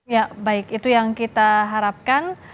ya baik itu yang kita harapkan